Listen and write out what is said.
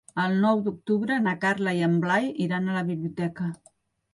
El nou d'octubre na Carla i en Blai iran a la biblioteca.